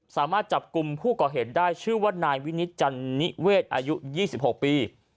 สามารถจับกลุ่มผู้ก่อเหตุได้ชื่อว่านายวินิตจันนิเวศอายุ๒๖ปี